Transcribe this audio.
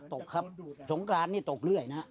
ตกครับสงกรานนี่ตกเรื่อยนะ